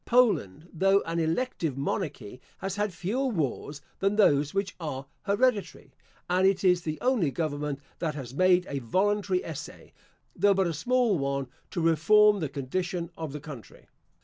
Poland, though an elective monarchy, has had fewer wars than those which are hereditary; and it is the only government that has made a voluntary essay, though but a small one, to reform the condition of the country.